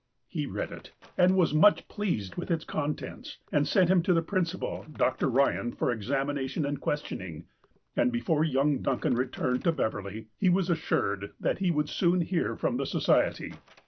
He read it, and was much pleased with its contents, and sent him to the principal, Dr. Eyan, for examination and questioning, and before young Duncan returned to Beverley he was assured that he would soon hear from the Society.